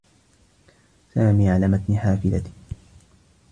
سامي على متن حافلة.